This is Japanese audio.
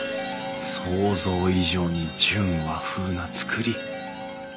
想像以上に純和風な造り。